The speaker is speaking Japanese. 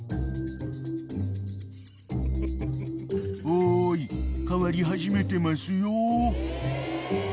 ［おい変わり始めてますよ］